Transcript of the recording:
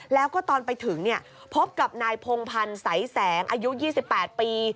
แล้วก็ตอนไปถึงพบกับนายพงพันธ์ใสแสงอายุ๒๘ปี